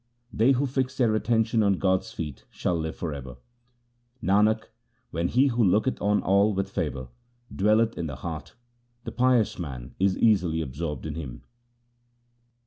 They who fix their attention on God's feet shall live for ever. Nanak, when He who looketh on all with favour, dwelleth in the heart, the pious man is easily absorbed in Him.